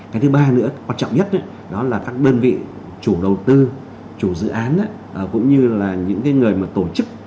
cái thứ ba nữa quan trọng nhất đó là các đơn vị chủ đầu tư chủ dự án cũng như là những người mà tổ chức